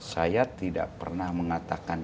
saya tidak pernah mengatakan